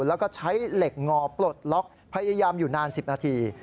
แล้วก็ใช้เหล็กงอปลดล็อกพยายามอยู่นาน๑๐นาที